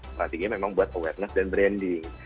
strateginya memang buat awareness dan branding